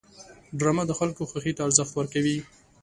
ډرامه د خلکو خوښې ته ارزښت ورکوي